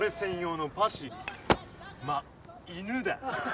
まっ犬だ。